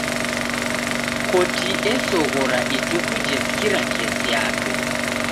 Koti esoghora ituku jesikira kesi yape.